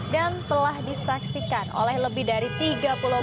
dan telah disaksikan oleh lebih dari seratus orang